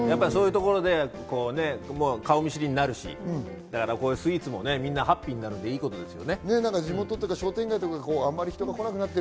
そういうところで顔見知りにもなるし、スイーツもみんながハッピーになるから、いいことですよ。